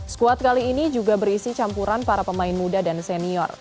squad kali ini juga berisi campuran para pemain muda dan senior